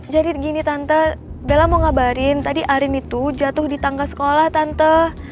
jadi gini tante bella mau ngabarin tadi arin itu jatuh di tangga sekolah tante